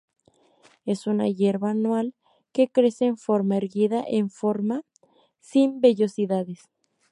Es una hierba anual que crece en forma erguida en forma, sin vellosidades.